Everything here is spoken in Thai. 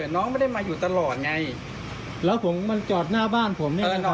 น้องไม่ได้มาอยู่ตลอดไงแล้วผมมันจอดหน้าบ้านผมเนี่ยมันออก